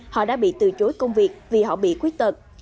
họ đã bị từ chối công việc vì họ bị khuyết tật